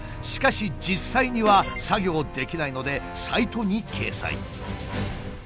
しかし実際には作業できないのでサイトに掲載。